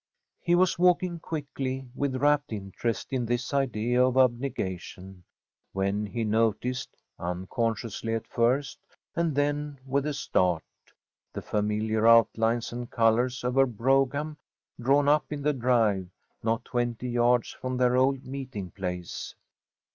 He was walking quickly with rapt interest in this idea of abnegation when he noticed, unconsciously at first and then with a start, the familiar outlines and colors of her brougham drawn up in the drive not twenty yards from their old meeting place.